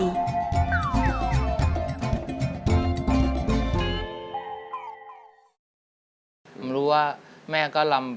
รายการต่อไปนี้เป็นรายการทั่วไปสามารถรับชมได้ทุกวัย